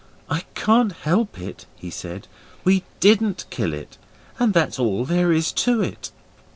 'I can't help it,' he said, 'we didn't kill it, and that's all there is to it.